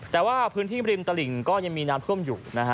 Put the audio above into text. แต่ว่าพื้นที่ริมตลิ่งก็ยังมีน้ำท่วมอยู่นะฮะ